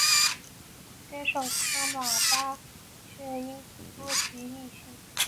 接受噶玛巴却英多吉印信。